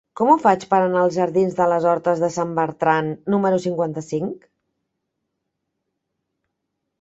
Com ho faig per anar als jardins de les Hortes de Sant Bertran número cinquanta-cinc?